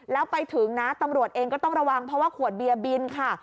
แล้วไปถึงนะตำรวจเองก็ต้องระวังเพราะว่าขวดเบียร์บินค่ะ